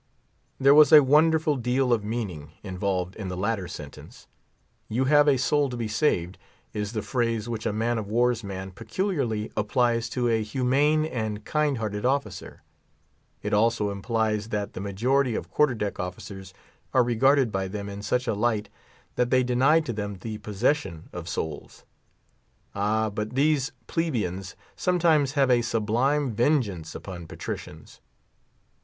There was a wonderful deal of meaning involved in the latter sentence. You have a soul to be saved, is the phrase which a man of war's man peculiarly applies to a humane and kind hearted officer. It also implies that the majority of quarter deck officers are regarded by them in such a light that they deny to them the possession of souls. Ah! but these plebeians sometimes have a sublime vengeance upon patricians.